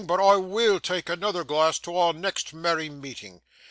but I WILL tak' anoother glass to our next merry meeting!